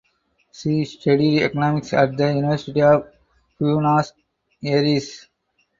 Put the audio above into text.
She studied Economics at the University of Buenos Aires.